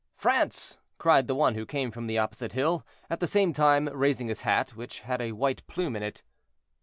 "France!" cried the one who came from the opposite hill, at the same time raising his hat, which had a white plume in it.